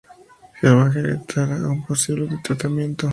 Hellhammer entrará en un posible tratamiento.